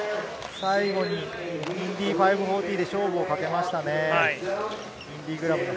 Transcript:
最後にインディ５４０で勝負をかけましたね。